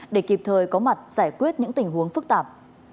để kịp thời có mặt giải quyết những tình huống phức tạp